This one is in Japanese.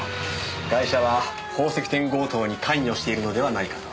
ガイシャは宝石店強盗に関与しているのではないかと。